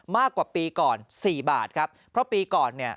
มากกว่าปีก่อนสี่บาทครับเพราะปีก่อนเนี่ย